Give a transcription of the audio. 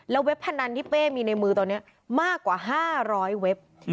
เว็บพนันที่เป้มีในมือตอนนี้มากกว่า๕๐๐เว็บ